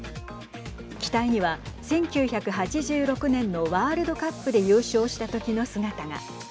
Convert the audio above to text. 機体には１９８６年のワールドカップで優勝したときの姿が。